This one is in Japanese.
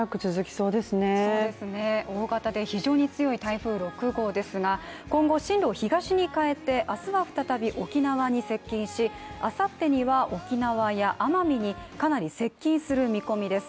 そうですね、大型で非常に強い台風６号ですが今後、進路を東に変えて明日は再び沖縄に接近しあさってには沖縄や奄美にかなり接近する見込みです。